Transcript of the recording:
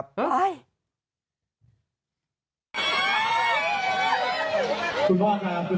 คุณพ่อค่ะคุณพ่อใดโอเคค่ะเรียบร้อยเหลือไม่น่ากล้าเก้าแล้วที่